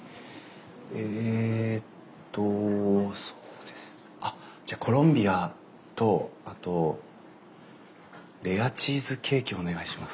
えっとじゃあコロンビアとあとレアチーズケーキお願いします。